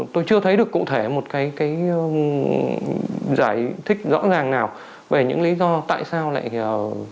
tôi chưa thấy được cụ thể một cái giải thích rõ ràng nào về những lý do tại sao lại